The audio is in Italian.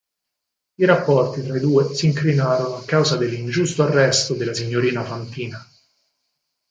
I rapporti tra i due si incrinarono a causa dell'ingiusto arresto della signorina Fantina.